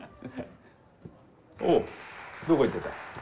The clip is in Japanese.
おうどこ行ってた？